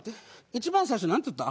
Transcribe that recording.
一番最初なんて言った？